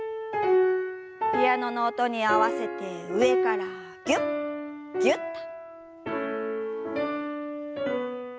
ピアノの音に合わせて上からぎゅっぎゅっと。